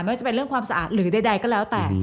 ว่าจะเป็นเรื่องความสะอาดหรือใดก็แล้วแต่